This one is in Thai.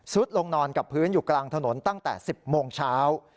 ลงนอนกับพื้นอยู่กลางถนนตั้งแต่๑๐โมงเช้า